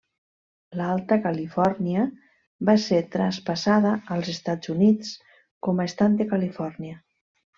L'Alta Califòrnia va ser traspassada als Estats Units com a estat de Califòrnia.